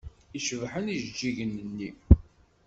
I cebḥen ijeǧǧigen-nni!